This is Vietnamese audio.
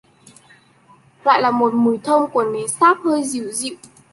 Là một mùi thơm của nến sáp hơi Dịu Dịu